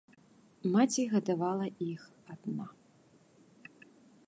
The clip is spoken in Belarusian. Маці гадавала іх адна.